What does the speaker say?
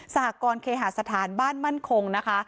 หกรณ์เคหาสถานบ้านมั่นคงนะคะ